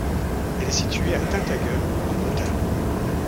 Elle est située à Tintagel en Bretagne.